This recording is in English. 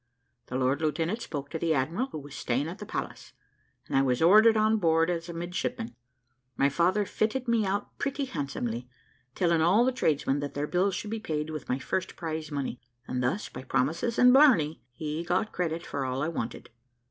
The lord lieutenant spoke to the admiral, who was staying at the palace, and I was ordered on board as midshipman. My father fitted me out pretty handsomely, telling all the tradesmen that their bills should be paid with my first prize money, and thus, by promises and blarney, he got credit for all I wanted.